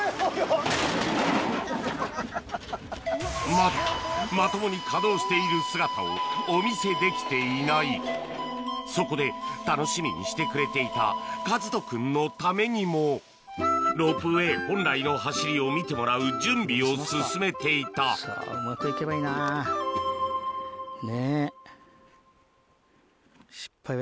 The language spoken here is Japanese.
まだまともに稼働している姿をお見せできていないそこで楽しみにしてくれていた和人くんのためにもロープウエー本来の走りを見てもらう準備を進めていたさぁうまくいけばいいなねっ。